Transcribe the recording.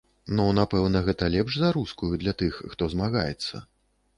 Ну напэўна, гэта лепш за рускую для тых, хто змагаецца?